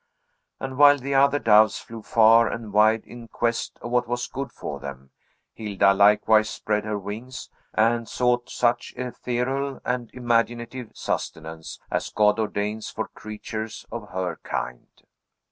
And while the other doves flew far and wide in quest of what was good for them, Hilda likewise spread her wings, and sought such ethereal and imaginative sustenance as God ordains for creatures of her kind.